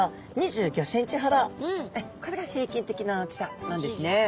これが平均的な大きさなんですね。